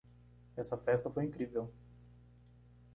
Essa festa foi incrível.